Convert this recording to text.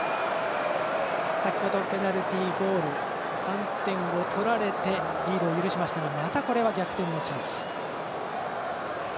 先ほどペナルティゴール３点を取られてリードを許しましたがまたこれは逆転のチャンス。